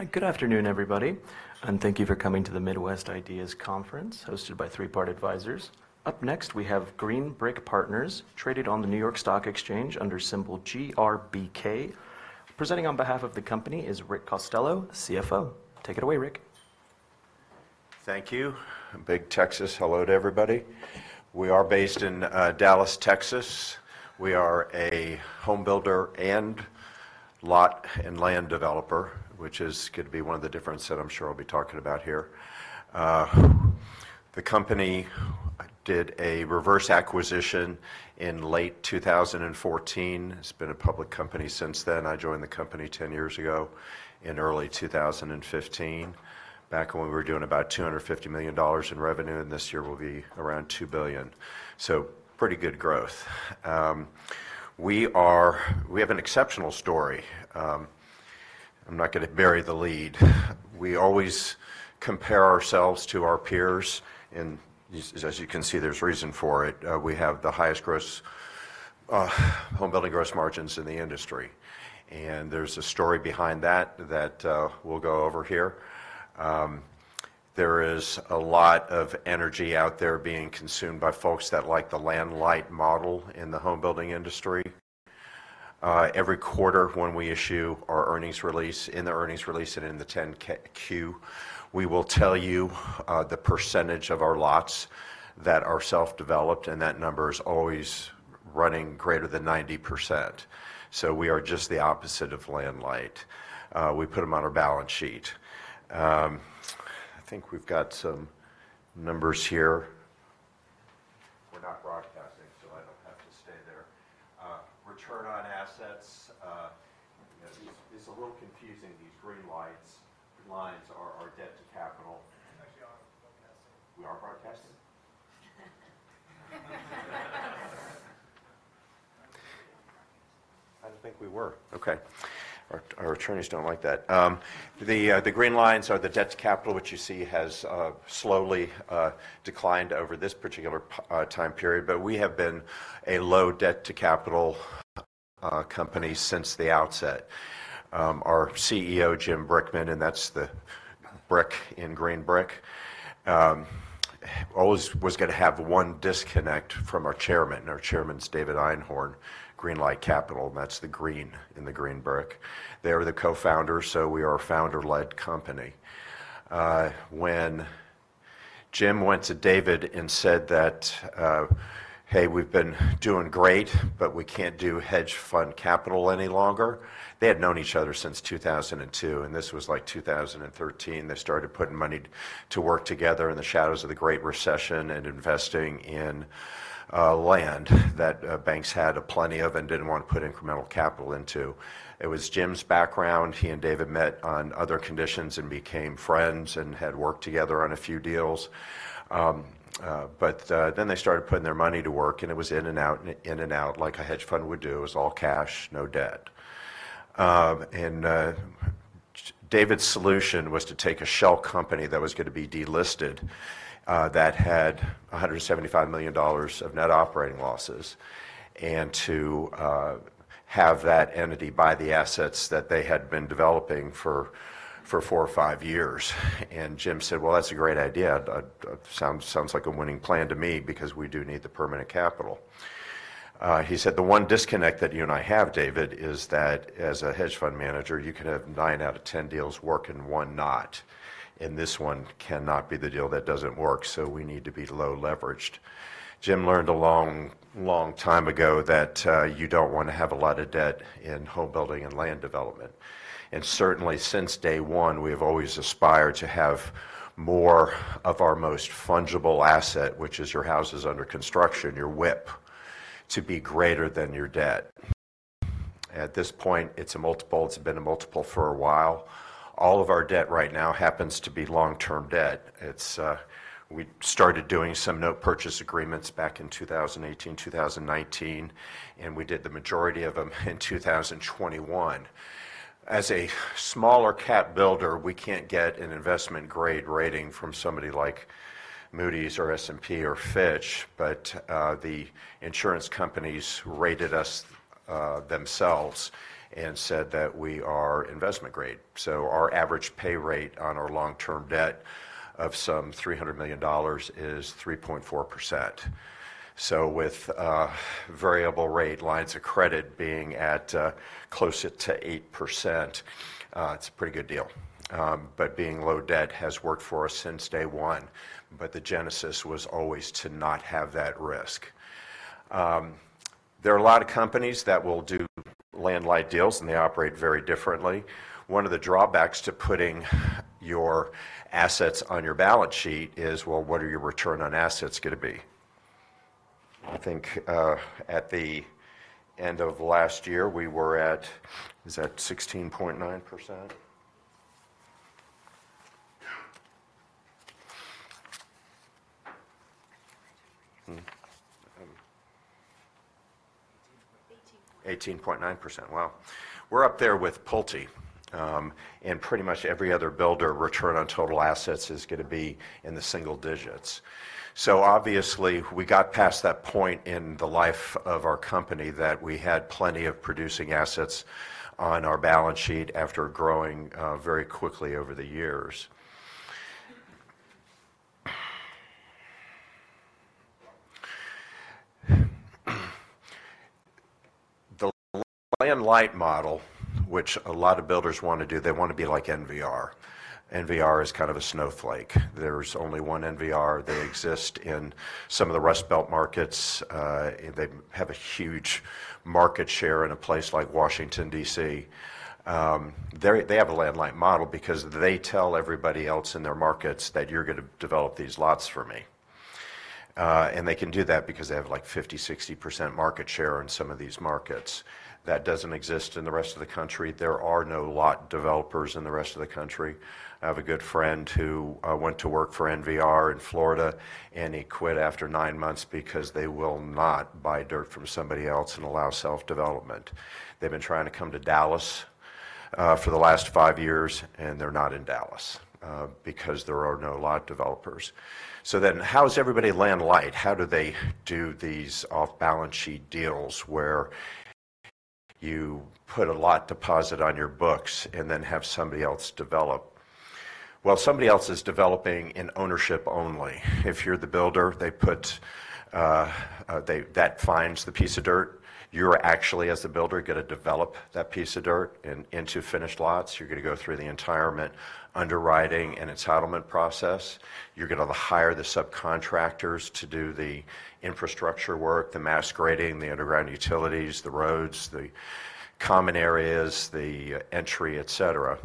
Hi, good afternoon, everybody, and thank you for coming to the Midwest IDEAS Conference, hosted by Three Part Advisors. Up next, we have Green Brick Partners, traded on the New York Stock Exchange under symbol GRBK. Presenting on behalf of the company is Rick Costello, CFO. Take it away, Rick. Thank you. Big Texas hello to everybody. We are based in Dallas, Texas. We are a home builder and lot and land developer, which could be one of the differences that I'm sure I'll be talking about here. The company did a reverse acquisition in late two thousand and fourteen. It's been a public company since then. I joined the company ten years ago, in early two thousand and fifteen, back when we were doing about $250 million in revenue, and this year will be around $2 billion. So pretty good growth. We have an exceptional story. I'm not gonna bury the lead. We always compare ourselves to our peers, and as you can see, there's reason for it. We have the highest gross, home building gross margins in the industry, and there's a story behind that we'll go over here. There is a lot of energy out there being consumed by folks that like the land-light model in the home building industry. Every quarter when we issue our earnings release, in the earnings release and in the 10-Q, we will tell you the percentage of our lots that are self-developed, and that number is always running greater than 90%. So we are just the opposite of land light. We put them on our balance sheet. I think we've got some numbers here. We're not broadcasting, so I don't have to stay there. Return on assets, it's a little confusing, these green lights, lines are debt-to-capital. Actually, we are broadcasting. We are broadcasting? I didn't think we were. Okay. Our attorneys don't like that. The green lines are the debt-to-capital, which you see has slowly declined over this particular time period, but we have been a low debt-to-capital company since the outset. Our CEO, Jim Brickman, and that's the brick in Green Brick, always was gonna have one disconnect from our chairman, and our chairman's David Einhorn, Greenlight Capital, and that's the green in the Green Brick. They are the co-founders, so we are a founder-led company. When Jim went to David and said that, "Hey, we've been doing great, but we can't do hedge fund capital any longer," they had known each other since two thousand and two, and this was like two thousand and thirteen. They started putting money to work together in the shadows of the Great Recession and investing in land that banks had plenty of and didn't want to put incremental capital into. It was Jim's background. He and David met on other conditions and became friends and had worked together on a few deals. But then they started putting their money to work, and it was in and out, in and out, like a hedge fund would do. It was all cash, no debt. David's solution was to take a shell company that was gonna be delisted that had $175 million of net operating losses, and to have that entity buy the assets that they had been developing for four or five years. Jim said, "Well, that's a great idea. sounds, sounds like a winning plan to me because we do need the permanent capital." He said, "The one disconnect that you and I have, David, is that as a hedge fund manager, you can have nine out of ten deals work and one not, and this one cannot be the deal that doesn't work, so we need to be low leveraged." Jim learned a long, long time ago that you don't want to have a lot of debt in home building and land development. And certainly, since day one, we have always aspired to have more of our most fungible asset, which is your houses under construction, your WIP, to be greater than your debt. At this point, it's a multiple, it's been a multiple for a while. All of our debt right now happens to be long-term debt. It's... We started doing some note purchase agreements back in two thousand and eighteen, two thousand and nineteen, and we did the majority of them in two thousand and twenty-one. As a smaller cap builder, we can't get an investment grade rating from somebody like Moody's or S&P or Fitch, but the insurance companies rated us themselves and said that we are investment grade. So our average pay rate on our long-term debt of some $300 million is 3.4%. So with variable rate lines of credit being at closer to 8%, it's a pretty good deal. But being low debt has worked for us since day one, but the genesis was always to not have that risk. There are a lot of companies that will do land light deals, and they operate very differently. One of the drawbacks to putting your assets on your balance sheet is, well, what are your Return on Assets gonna be? I think, at the end of last year, we were at, is that 16.9%? 18.9. 18.9%. Wow. We're up there with Pulte, and pretty much every other builder. Return on total assets is gonna be in the single digits. So obviously, we got past that point in the life of our company that we had plenty of producing assets on our balance sheet after growing very quickly over the years. The land light model, which a lot of builders wanna do, they wanna be like NVR. NVR is kind of a snowflake. There's only one NVR. They exist in some of the Rust Belt markets. They have a huge market share in a place like Washington, D.C. They have a land light model because they tell everybody else in their markets that you're gonna develop these lots for me. And they can do that because they have, like, 50%-60% market share in some of these markets. That doesn't exist in the rest of the country. There are no lot developers in the rest of the country. I have a good friend who went to work for NVR in Florida, and he quit after nine months because they will not buy dirt from somebody else and allow self-development. They've been trying to come to Dallas for the last five years, and they're not in Dallas because there are no lot developers. So then, how's everybody land light? How do they do these off-balance sheet deals, where you put a lot deposit on your books and then have somebody else develop? Well, somebody else is developing in ownership only. If you're the builder, they put that finds the piece of dirt, you're actually, as the builder, gonna develop that piece of dirt into finished lots. You're gonna go through the entitlement underwriting and entitlement process. You're gonna hire the subcontractors to do the infrastructure work, the mass grading, the underground utilities, the roads, the common areas, the entry, et cetera.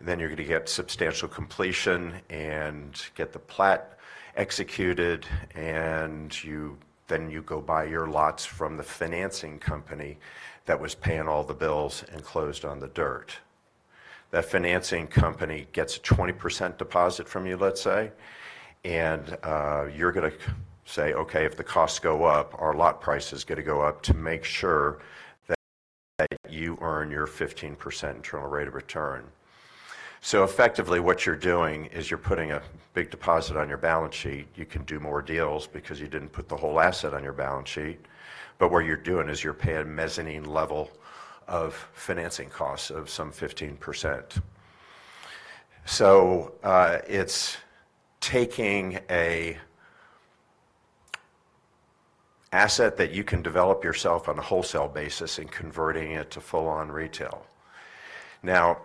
Then you're gonna get substantial completion and get the plat executed, then you go buy your lots from the financing company that was paying all the bills and closed on the dirt. That financing company gets a 20% deposit from you, let's say, and you're gonna say, "Okay, if the costs go up, our lot price is gonna go up," to make sure that you earn your 15% internal rate of return. So effectively, what you're doing is you're putting a big deposit on your balance sheet. You can do more deals because you didn't put the whole asset on your balance sheet, but what you're doing is you're paying a mezzanine level of financing costs of some 15%. So, it's taking an asset that you can develop yourself on a wholesale basis and converting it to full-on retail. Now,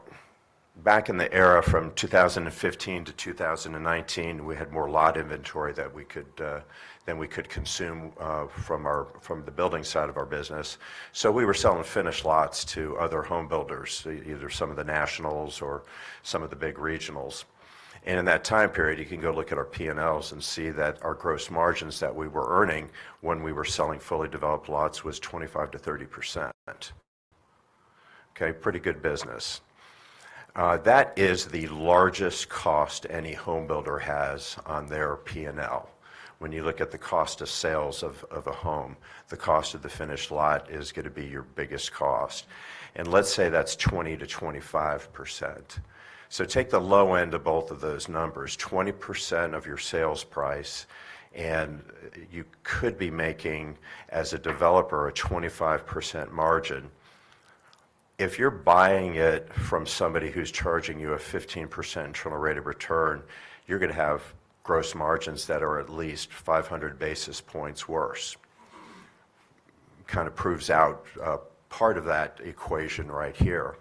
back in the era from two thousand and fifteen to two thousand and nineteen, we had more lot inventory that we could than we could consume from the building side of our business. So we were selling finished lots to other home builders, either some of the nationals or some of the big regionals. In that time period, you can go look at our P&Ls and see that our gross margins that we were earning when we were selling fully developed lots was 25%-30%. Okay, pretty good business. That is the largest cost any home builder has on their P&L. When you look at the cost of sales of, of a home, the cost of the finished lot is gonna be your biggest cost, and let's say that's 20%-25%. So take the low end of both of those numbers, 20% of your sales price, and you could be making, as a developer, a 25% margin. If you're buying it from somebody who's charging you a 15% internal rate of return, you're gonna have gross margins that are at least 500 basis points worse. Kind of proves out, part of that equation right here.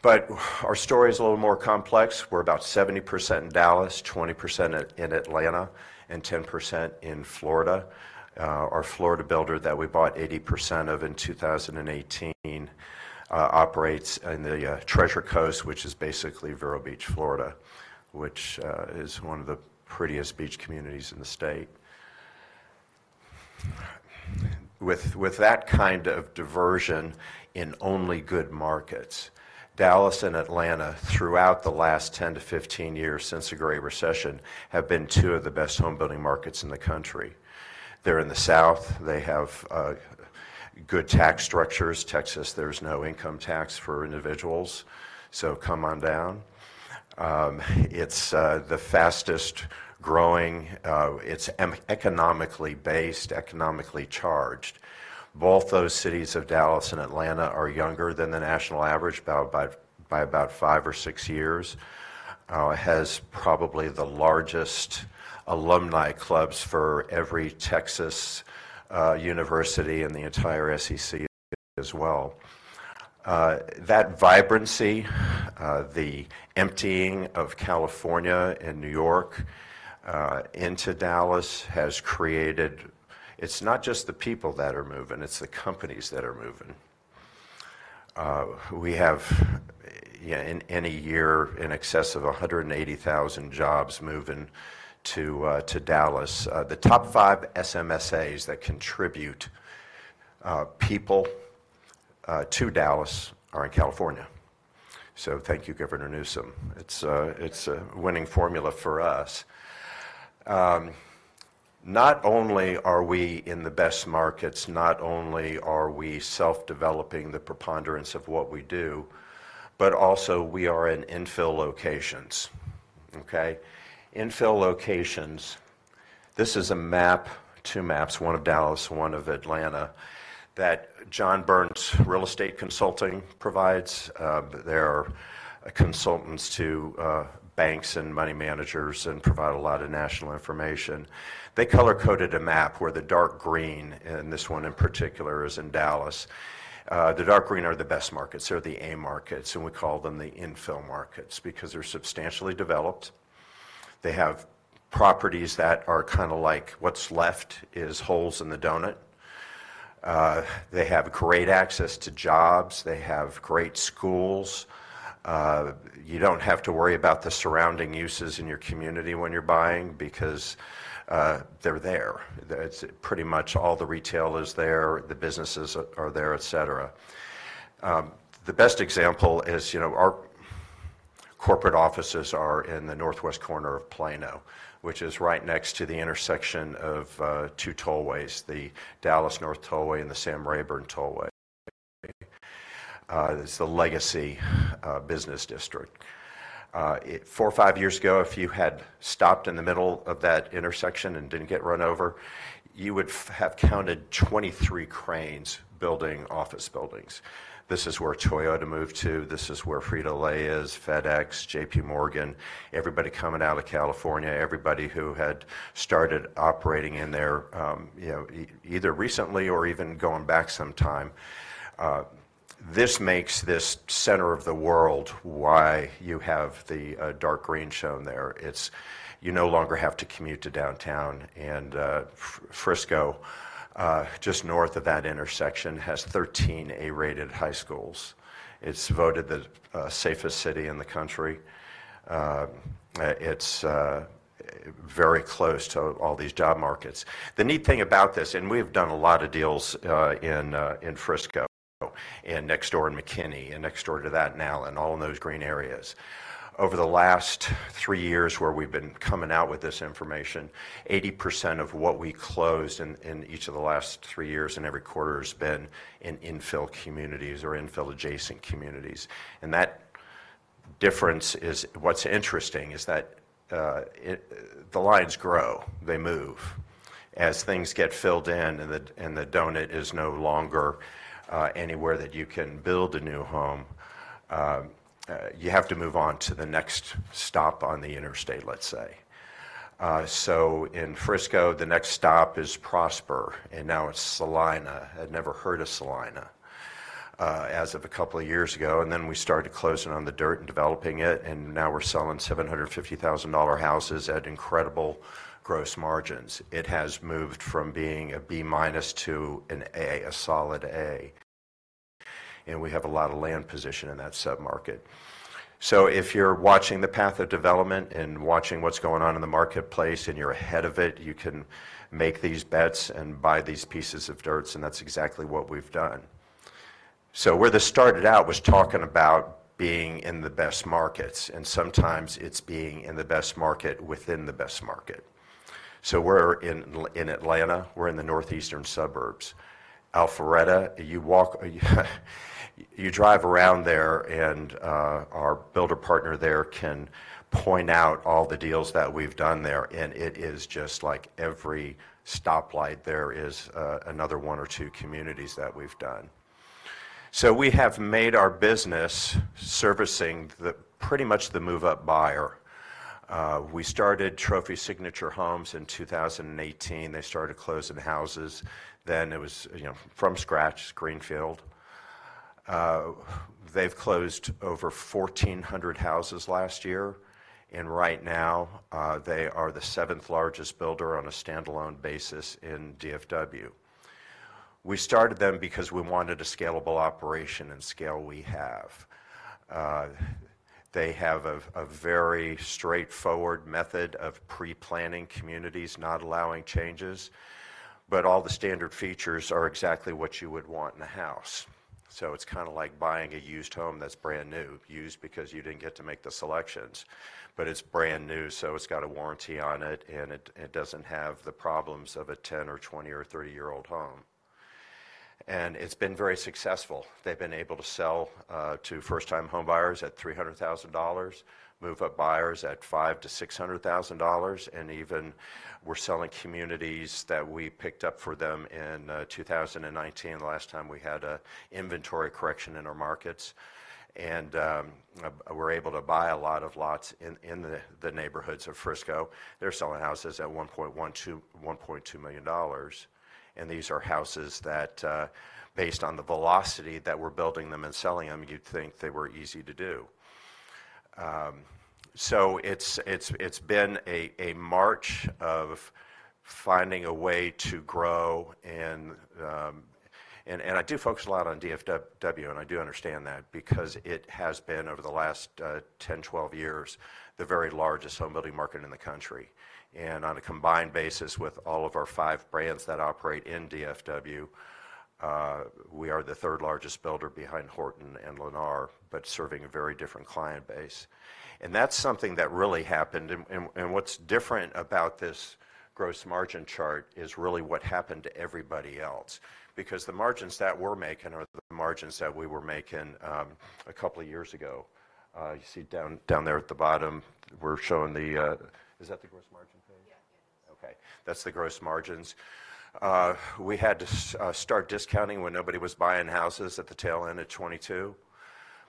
But our story is a little more complex. We're about 70% in Dallas, 20% in Atlanta, and 10% in Florida. Our Florida builder that we bought 80% of in 2018 operates in the Treasure Coast, which is basically Vero Beach, Florida, which is one of the prettiest beach communities in the state. With that kind of diversion in only good markets, Dallas and Atlanta, throughout the last 10 to 15 years since the Great Recession, have been two of the best home building markets in the country. They're in the South. They have good tax structures. Texas, there's no income tax for individuals, so come on down. It's the fastest-growing, economically based, economically charged. Both those cities of Dallas and Atlanta are younger than the national average, about five or six years. has probably the largest alumni clubs for every Texas university and the entire SEC as well. that vibrancy, the emptying of California and New York into Dallas has created. It's not just the people that are moving, it's the companies that are moving. we have in a year in excess of 180,000 jobs moving to Dallas. the top five SMSAs that contribute people to Dallas are in California. So thank you, Governor Newsom. It's a winning formula for us. not only are we in the best markets, not only are we self-developing the preponderance of what we do, but also we are in infill locations, okay? Infill locations, this is a map, two maps, one of Dallas, one of Atlanta, that John Burns Real Estate Consulting provides. They're consultants to banks and money managers and provide a lot of national information. They color-coded a map where the dark green, and this one in particular is in Dallas. The dark green are the best markets. They're the A markets, and we call them the infill markets because they're substantially developed. They have properties that are kinda like what's left is holes in the donut. They have great access to jobs. They have great schools. You don't have to worry about the surrounding uses in your community when you're buying because they're there. It's pretty much all the retail is there, the businesses are there, et cetera. The best example is, you know, our corporate offices are in the northwest corner of Plano, which is right next to the intersection of two tollways, the Dallas North Tollway and the Sam Rayburn Tollway. It's the Legacy Business District. Four or five years ago, if you had stopped in the middle of that intersection and didn't get run over, you would have counted 23 cranes building office buildings. This is where Toyota moved to. This is where Frito-Lay is, FedEx, JP Morgan, everybody coming out of California, everybody who had started operating in there, you know, either recently or even going back some time. This makes this center of the world why you have the dark green shown there. It's you no longer have to commute to downtown, and Frisco just north of that intersection has 13 A-rated high schools. It's voted the safest city in the country. It's very close to all these job markets. The neat thing about this, and we've done a lot of deals in Frisco, and next door in McKinney, and next door to that now, and all in those green areas. Over the last three years where we've been coming out with this information, 80% of what we closed in each of the last three years and every quarter has been in infill communities or infill-adjacent communities, and that difference is... What's interesting is that it, the lines grow. They move as things get filled in, and the donut is no longer anywhere that you can build a new home. You have to move on to the next stop on the interstate, let's say. So in Frisco, the next stop is Prosper, and now it's Celina. I'd never heard of Celina as of a couple of years ago, and then we started closing on the dirt and developing it, and now we're selling $750,000 houses at incredible gross margins. It has moved from being a B-minus to an A, a solid A, and we have a lot of land position in that submarket. So if you're watching the path of development and watching what's going on in the marketplace, and you're ahead of it, you can make these bets and buy these pieces of dirts, and that's exactly what we've done. So where this started out was talking about being in the best markets, and sometimes it's being in the best market within the best market. So we're in Atlanta. We're in the northeastern suburbs. Alpharetta, you walk, you drive around there, and our builder partner there can point out all the deals that we've done there, and it is just like every stoplight there is another one or two communities that we've done. So we have made our business servicing the, pretty much the move-up buyer. We started Trophy Signature Homes in 2018. They started closing houses then. It was, you know, from scratch, greenfield. They've closed over 1,400 houses last year, and right now, they are the seventh largest builder on a standalone basis in DFW. We started them because we wanted a scalable operation and scale we have. They have a very straightforward method of pre-planning communities, not allowing changes, but all the standard features are exactly what you would want in a house. So it's kind of like buying a used home that's brand new. Used because you didn't get to make the selections, but it's brand new, so it's got a warranty on it, and it doesn't have the problems of a 10- or 20- or 30-year-old home, and it's been very successful. They've been able to sell to first-time home buyers at $300,000, move-up buyers at $500,000-$600,000, and even we're selling communities that we picked up for them in 2019, the last time we had a inventory correction in our markets. We're able to buy a lot of lots in the neighborhoods of Frisco. They're selling houses at $1.12-$1.2 million, and these are houses that based on the velocity that we're building them and selling them, you'd think they were easy to do. So it's been a march of finding a way to grow, and I do focus a lot on DFW, and I do understand that because it has been, over the last 10, 12 years, the very largest home building market in the country. And on a combined basis with all of our five brands that operate in DFW, we are the third largest builder behind Horton and Lennar, but serving a very different client base, and that's something that really happened. And what's different about this gross margin chart is really what happened to everybody else because the margins that we're making are the margins that we were making a couple of years ago. You see down there at the bottom, we're showing the... Is that the gross margin? That's the gross margins. We had to start discounting when nobody was buying houses at the tail end of 2022.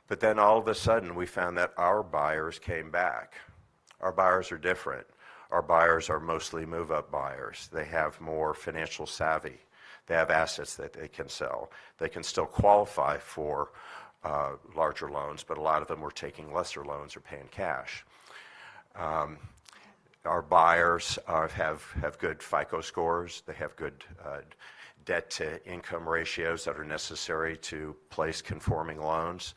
But then all of a sudden, we found that our buyers came back. Our buyers are different. Our buyers are mostly move-up buyers. They have more financial savvy. They have assets that they can sell. They can still qualify for larger loans, but a lot of them were taking lesser loans or paying cash. Our buyers have good FICO scores. They have good debt-to-income ratios that are necessary to place conforming loans.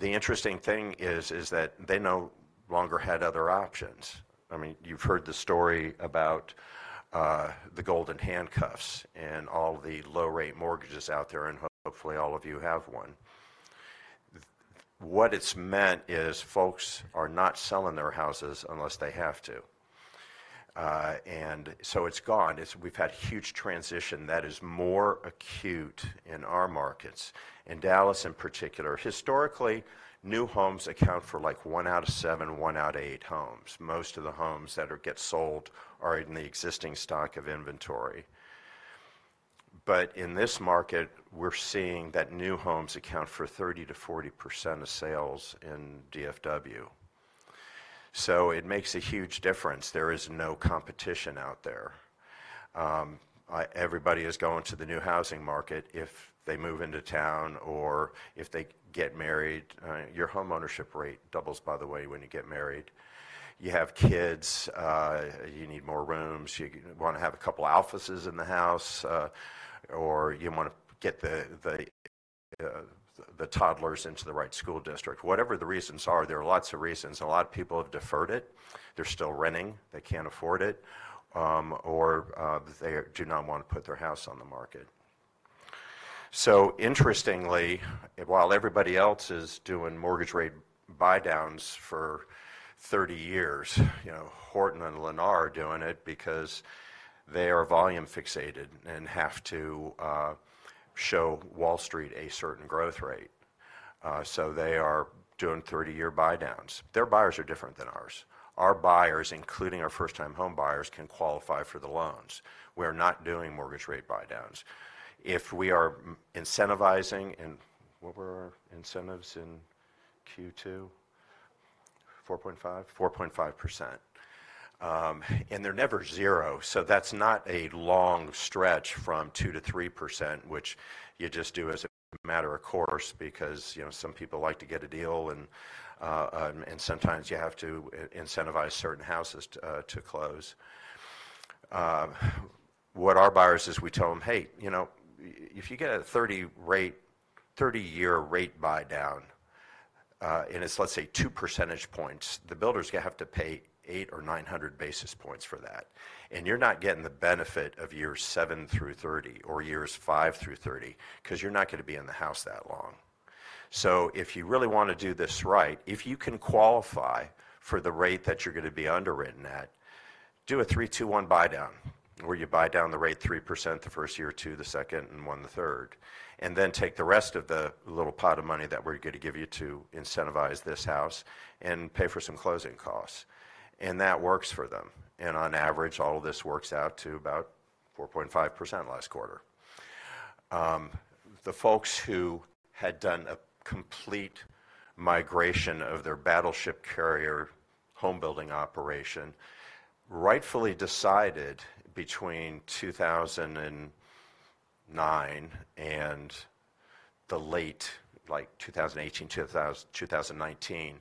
The interesting thing is that they no longer had other options. I mean, you've heard the story about the golden handcuffs and all the low-rate mortgages out there, and hopefully, all of you have one. What it's meant is folks are not selling their houses unless they have to. It's gone. We've had huge transition that is more acute in our markets, in Dallas in particular. Historically, new homes account for, like, one out of seven, one out of eight homes. Most of the homes that get sold are in the existing stock of inventory, but in this market, we're seeing that new homes account for 30%-40% of sales in DFW, so it makes a huge difference. There is no competition out there. Everybody is going to the new housing market if they move into town or if they get married. Your homeownership rate doubles, by the way, when you get married. You have kids, you need more rooms, you wanna have a couple offices in the house, or you wanna get the toddlers into the right school district. Whatever the reasons are, there are lots of reasons, and a lot of people have deferred it. They're still renting. They can't afford it, or they do not want to put their house on the market. So interestingly, while everybody else is doing mortgage rate buydowns for thirty years, you know, Horton and Lennar are doing it because they are volume fixated and have to show Wall Street a certain growth rate. So they are doing thirty-year buydowns. Their buyers are different than ours. Our buyers, including our first-time home buyers, can qualify for the loans. We're not doing mortgage rate buydowns. If we are incentivizing... And what were our incentives in Q2? 4.5? 4.5%. And they're never zero, so that's not a long stretch from 2%-3%, which you just do as a matter of course, because, you know, some people like to get a deal, and sometimes you have to incentivize certain houses to close. What our buyers is, we tell them, "Hey, you know, if you get a 30-year rate buydown, and it's, let's say, 2 percentage points, the builder's gonna have to pay 800 or 900 basis points for that, and you're not getting the benefit of years 7 through 30 or years 5 through 30, 'cause you're not gonna be in the house that long. So if you really wanna do this right, if you can qualify for the rate that you're gonna be underwritten at, do a three-two-one buydown, where you buy down the rate 3% the first year, 2% the second, and 1% the third, and then take the rest of the little pot of money that we're gonna give you to incentivize this house and pay for some closing costs." And that works for them. And on average, all of this works out to about 4.5% last quarter. The folks who had done a complete migration of their battleship carrier home-building operation rightfully decided between 2009 and the late, like, 2018, 2019,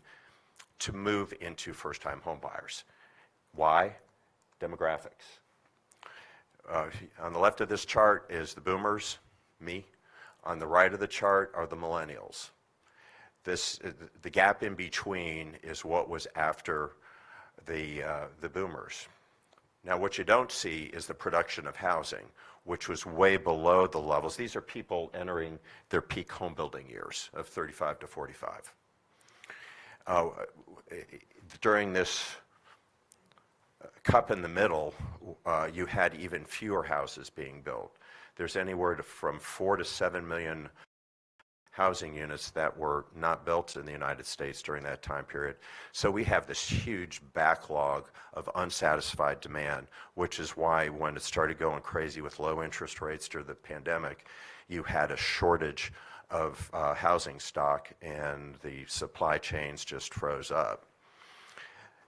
to move into first-time home buyers. Why? Demographics. On the left of this chart is the boomers, me. On the right of the chart are the millennials. This gap in between is what was after the boomers. Now, what you don't see is the production of housing, which was way below the levels. These are people entering their peak home-building years of 35 to 45. During this cup in the middle, you had even fewer houses being built. There's anywhere from 4 to 7 million housing units that were not built in the United States during that time period. So we have this huge backlog of unsatisfied demand, which is why when it started going crazy with low interest rates during the pandemic, you had a shortage of housing stock, and the supply chains just froze up.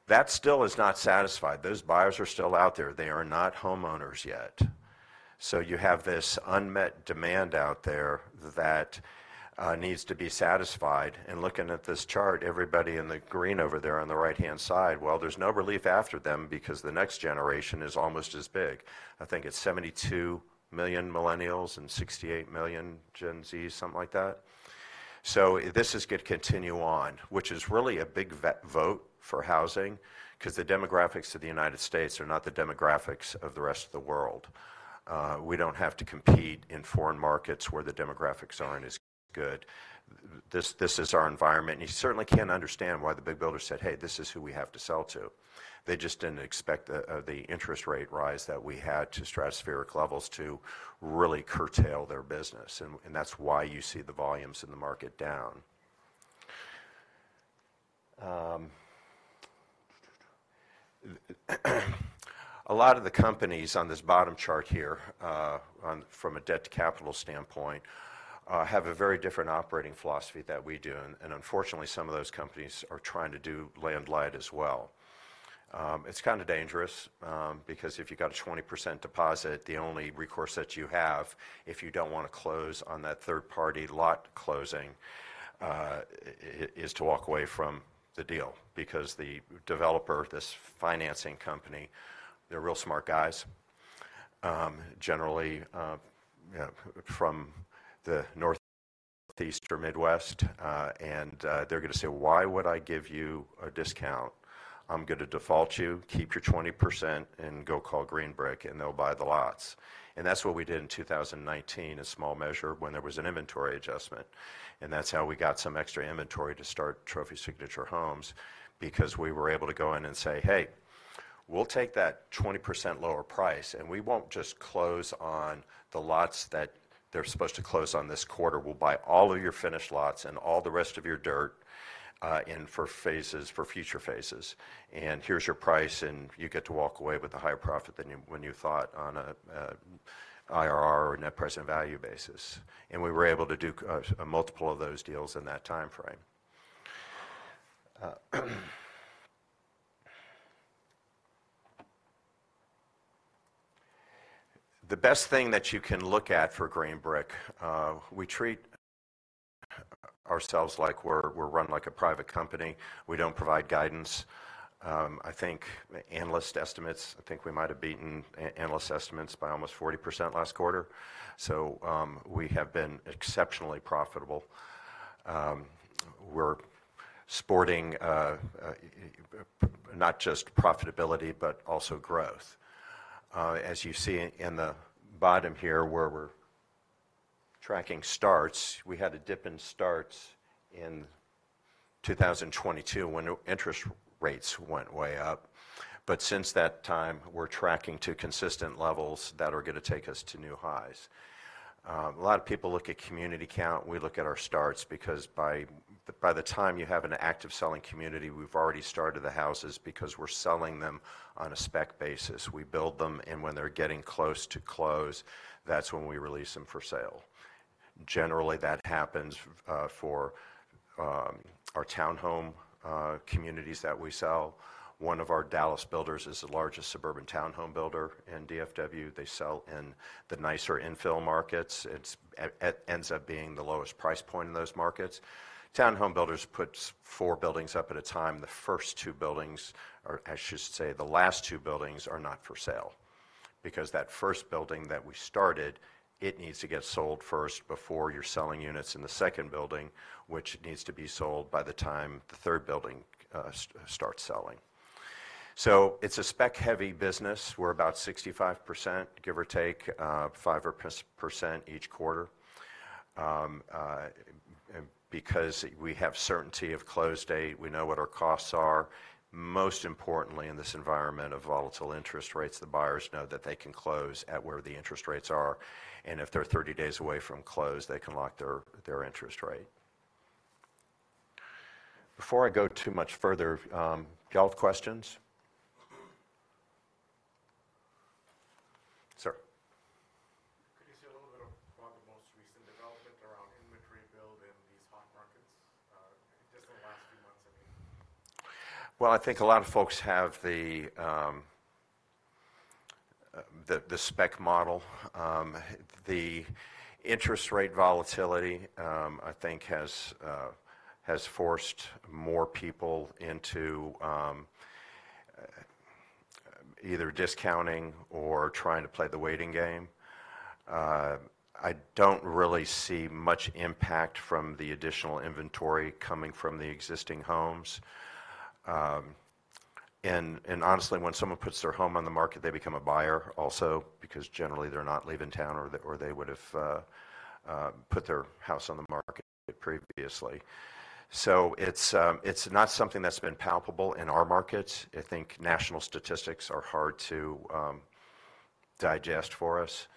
That still is not satisfied. Those buyers are still out there. They are not homeowners yet. So you have this unmet demand out there that needs to be satisfied. Looking at this chart, everybody in the green over there on the right-hand side. Well, there's no relief after them because the next generation is almost as big. I think it's seventy-two million millennials and sixty-eight million Gen Zs, something like that. So this is gonna continue on, which is really a big vote for housing, 'cause the demographics of the United States are not the demographics of the rest of the world. We don't have to compete in foreign markets where the demographics aren't as good. This, this is our environment, and you certainly can understand why the big builders said, "Hey, this is who we have to sell to." They just didn't expect the interest rate rise that we had to stratospheric levels to really curtail their business, and that's why you see the volumes in the market down. A lot of the companies on this bottom chart here, on, from a debt-to-capital standpoint, have a very different operating philosophy than we do, and unfortunately, some of those companies are trying to do land light as well. It's kind of dangerous, because if you've got a 20% deposit, the only recourse that you have if you don't want to close on that third-party lot closing, is to walk away from the deal. Because the developer, this financing company, they're real smart guys, generally, you know, from the Northeast or Midwest, and they're gonna say: "Why would I give you a discount? I'm gonna default you, keep your 20%, and go call Green Brick, and they'll buy the lots." And that's what we did in two thousand and nineteen, a small measure when there was an inventory adjustment, and that's how we got some extra inventory to start Trophy Signature Homes. Because we were able to go in and say, "Hey, we'll take that 20% lower price, and we won't just close on the lots that they're supposed to close on this quarter. We'll buy all of your finished lots and all the rest of your dirt, and for phases, for future phases, and here's your price, and you get to walk away with a higher profit than you, when you thought on a IRR or net present value basis." And we were able to do a multiple of those deals in that timeframe. The best thing that you can look at for Green Brick. We treat ourselves like we're run like a private company. We don't provide guidance. I think analyst estimates. I think we might have beaten analyst estimates by almost 40% last quarter, so we have been exceptionally profitable. We're sporting not just profitability, but also growth. As you see in the bottom here, where we're tracking starts, we had a dip in starts in 2022 when interest rates went way up, but since that time, we're tracking to consistent levels that are gonna take us to new highs. A lot of people look at community count, and we look at our starts because by the time you have an active selling community, we've already started the houses because we're selling them on a spec basis. We build them, and when they're getting close to close, that's when we release them for sale. Generally, that happens for our town home communities that we sell. One of our Dallas builders is the largest suburban town home builder in DFW. They sell in the nicer infill markets. It ends up being the lowest price point in those markets. Town home builders put four buildings up at a time. The first two buildings are... I should say, the last two buildings are not for sale, because that first building that we started, it needs to get sold first before you're selling units in the second building, which needs to be sold by the time the third building starts selling. So it's a spec-heavy business. We're about 65%, give or take 5% each quarter, and because we have certainty of close date, we know what our costs are. Most importantly, in this environment of volatile interest rates, the buyers know that they can close at where the interest rates are, and if they're 30 days away from close, they can lock their interest rate. Before I go too much further, you all have questions? Sir. Could you say a little bit about the most recent development around inventory build in these hot markets, just in the last few months, I mean? I think a lot of folks have the spec model. The interest rate volatility, I think has forced more people into either discounting or trying to play the waiting game. I don't really see much impact from the additional inventory coming from the existing homes, and honestly, when someone puts their home on the market, they become a buyer also, because generally they're not leaving town or they would've put their house on the market previously, so it's not something that's been palpable in our markets. I think national statistics are hard to digest for us.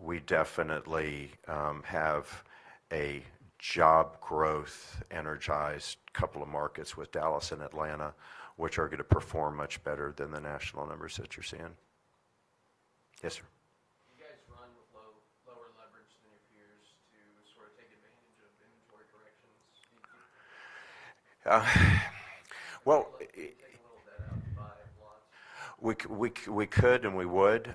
We definitely have a job growth energized couple of markets with Dallas and Atlanta, which are gonna perform much better than the national numbers that you're seeing. Yes, sir. You guys run with lower leverage than your peers to sort of take advantage of inventory directions deeply? Well, Take a little of that out to buy lots. We could, and we would.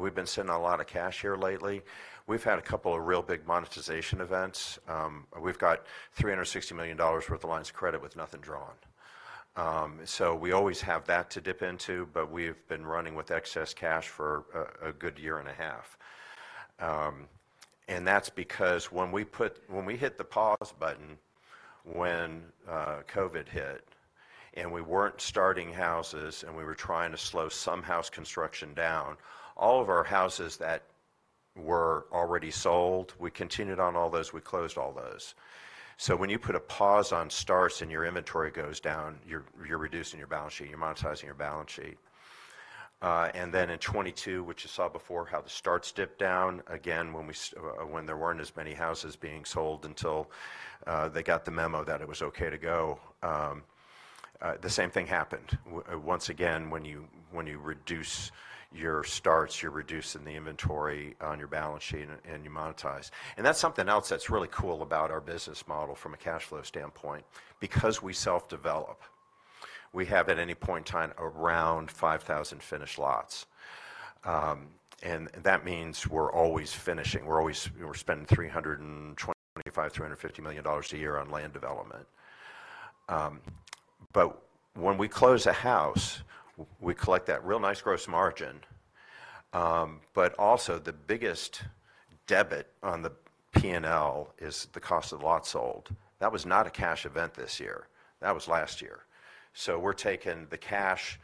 We've been sitting on a lot of cash here lately. We've had a couple of real big monetization events. We've got $360 million worth of lines of credit with nothing drawn. So we always have that to dip into, but we've been running with excess cash for a good year and a half, and that's because when we hit the pause button, when COVID hit, and we weren't starting houses, and we were trying to slow some house construction down, all of our houses that were already sold, we continued on all those. We closed all those. So when you put a pause on starts, and your inventory goes down, you're reducing your balance sheet. You're monetizing your balance sheet. And then in 2022, which you saw before, how the starts dipped down. Again, when there weren't as many houses being sold until they got the memo that it was okay to go, the same thing happened. Once again, when you reduce your starts, you're reducing the inventory on your balance sheet, and you monetize. And that's something else that's really cool about our business model from a cash flow standpoint. Because we self-develop, we have, at any point in time, around five thousand finished lots. And that means we're always finishing. We're spending $325 million-$350 million a year on land development. But when we close a house, we collect that real nice gross margin, but also the biggest debit on the P&L is the cost of lots sold. That was not a cash event this year. That was last year. So we're taking the cash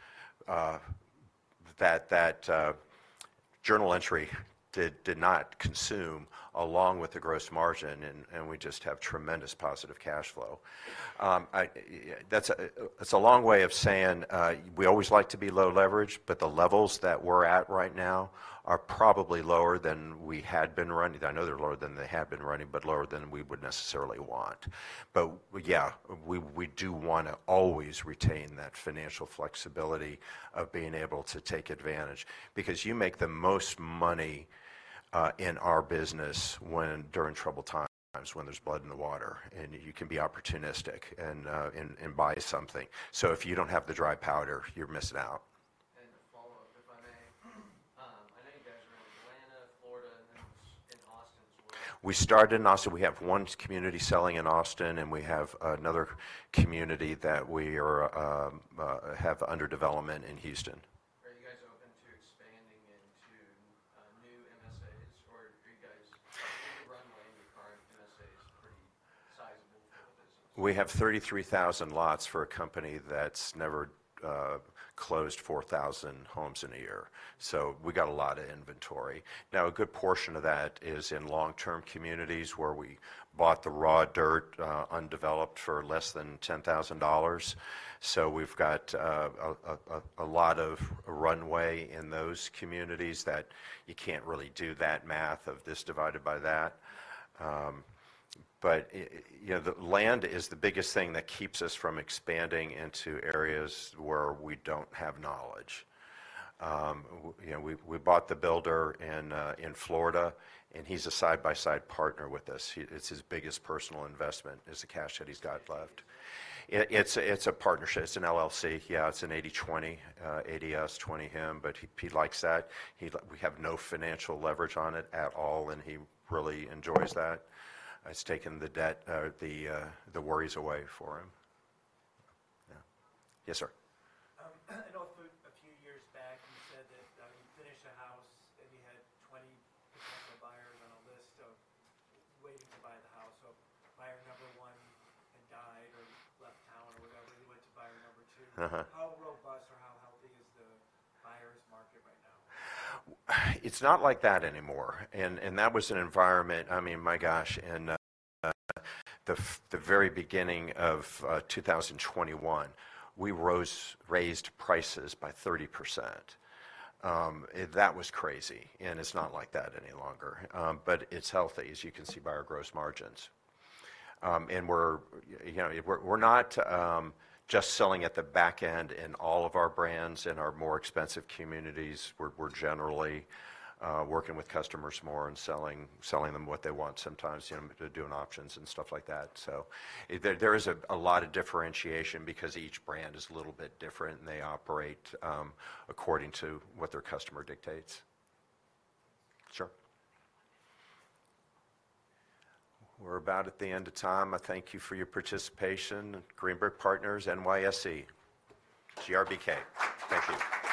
that journal entry did not consume, along with the gross margin, and we just have tremendous positive cash flow. That's a long way of saying we always like to be low leverage, but the levels that we're at right now are probably lower than we had been running. I know they're lower than they had been running, but lower than we would necessarily want. But yeah, we do wanna always retain that financial flexibility of being able to take advantage because you make the most money in our business when during troubled times, when there's blood in the water, and you can be opportunistic and buy something. So if you don't have the dry powder, you're missing out. A follow-up, if I may. I know you guys are in Atlanta, Florida, and in Austin as well. We started in Austin. We have one community selling in Austin, and we have another community that we have under development in Houston. Are you guys open to expanding into new MSAs, or is the runway in your current MSAs pretty sizable for your business? We have 33,000 lots for a company that's never closed 4,000 homes in a year, so we got a lot of inventory. Now, a good portion of that is in long-term communities, where we bought the raw dirt undeveloped, for less than $10,000. So we've got a lot of runway in those communities that you can't really do that math of this divided by that. But you know, the land is the biggest thing that keeps us from expanding into areas where we don't have knowledge. You know, we bought the builder in Florida, and he's a side-by-side partner with us. He. It's his biggest personal investment. It's the cash that he's got left. It, it's a partnership. It's an LLC. Yeah, it's a 80-20, 80 us, 20 him, but he, he likes that. We have no financial leverage on it at all, and he really enjoys that. It's taken the debt, the worries away for him. Yeah. Yes, sir? I know a few years back, you said that you finished a house, and you had 20 potential buyers on a waiting list to buy the house, so buyer number one had died or left town or whatever, you went to buyer number two. Uh-huh. How robust or how healthy is the buyer's market right now? It's not like that anymore, and that was an environment. I mean, my gosh, in the very beginning of 2021, we raised prices by 30%. That was crazy, and it's not like that any longer. But it's healthy, as you can see by our gross margins. And we're, you know, we're not just selling at the back end in all of our brands. In our more expensive communities, we're generally working with customers more and selling them what they want sometimes, you know, doing options and stuff like that. So there is a lot of differentiation because each brand is a little bit different, and they operate according to what their customer dictates. Sure. We're about at the end of time. I thank you for your participation. Brick Partners, NYSE: GRBK. Thank you.